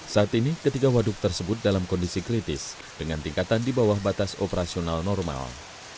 saat ini ketiga waduk tersebut dalam kondisi kritis dengan tingkatan di bawah batas operasional normal